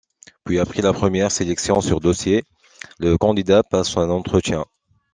Puis, après la première sélection sur dossier, le candidat passe un entretien.